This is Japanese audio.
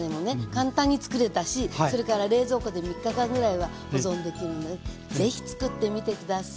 簡単につくれたしそれから冷蔵庫で３日間ぐらいは保存できるので是非つくってみて下さい。